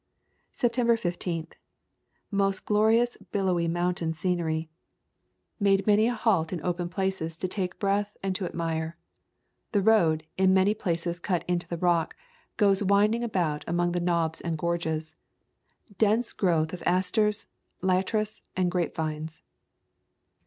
September 15. Most glorious billowy moun tain scenery. Made many a halt at open places 33 ] A Thousand Mile Walk to take breath and to admire. The road, in many places cut into the rock, goes winding about among the knobs and gorges. Dense growth of asters, liatris,1 and grapevines.